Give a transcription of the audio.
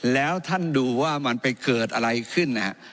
แล้วท่านดูว่ามันไปเกิดอะไรขึ้นนะฮะ